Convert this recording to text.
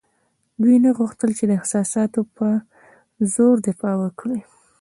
دوی نه غوښتل چې د احساساتو په زور دفاع وکړي.